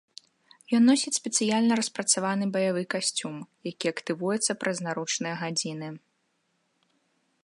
Ён носіць спецыяльна распрацаваны баявой касцюм, які актывуецца праз наручныя гадзіны.